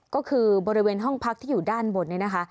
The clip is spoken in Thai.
ก็คือบริเวณห้องพักที่อยู่ด้านบน